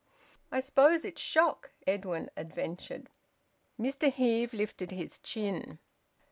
"I suppose it's shock," Edwin adventured. Mr Heve lifted his chin.